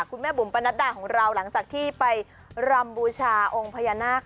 คุณแม่บุ๋มปนัดดาของเราหลังจากที่ไปรำบูชาองค์พญานาค